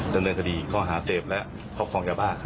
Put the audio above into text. ดำเนินคดีเขาหาเสพและเขาคลองยาบ้า